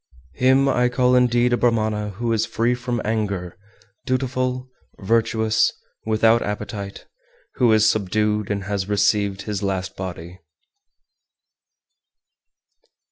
400. Him I call indeed a Brahmana who is free from anger, dutiful, virtuous, without appetite, who is subdued, and has received his last body.